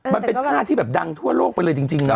มันเป็นท่าที่แบบดังทั่วโลกไปเลยจริงเนอ